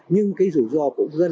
nhưng cái rủi ro cũng rất là